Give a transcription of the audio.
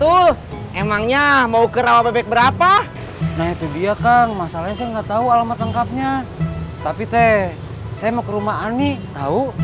untuk si sepupuk favorit